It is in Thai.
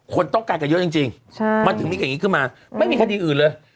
คนต้องการกันเยอะจริงมันถึงมีอย่างนี้ขึ้นมาไม่มีคดีอื่นเลย